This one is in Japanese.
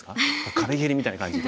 壁蹴りみたいな感じで。